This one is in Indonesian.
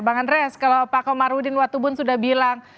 bang andreas kalau pak komarudin watubun sudah bilang